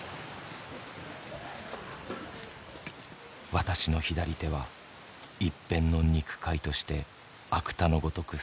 「私の左手は一片の肉塊として芥の如く捨てられた。